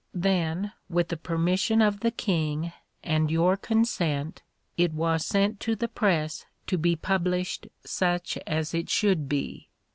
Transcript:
Then, with the permission of the King and your consent, it was sent to the press to be published such as it should be.